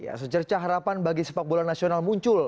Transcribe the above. ya secerca harapan bagi sepak bola nasional muncul